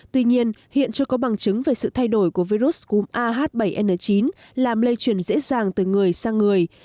tuy nhiên hiện chưa có bằng chứng về sự thay đổi của virus cúm ah bảy n chín làm lây chuyển dễ dàng từ người sang người